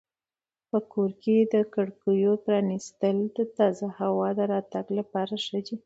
په کور کې د کړکیو پرانیستل د تازه هوا د راتګ لپاره ښه دي.